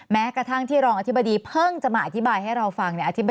แม้กระทั่งที่รองอธิบดีเพิ่งจะมาอธิบายให้เราฟัง